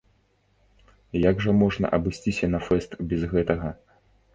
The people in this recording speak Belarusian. Як жа можна абысціся на фэст без гэтага.